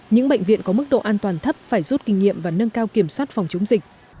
những bệnh viện có mức độ an toàn thấp phải rút kinh nghiệm và nâng cao kiểm soát phòng chống dịch